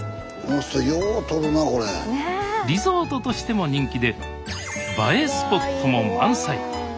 リゾートとしても人気で映えスポットも満載！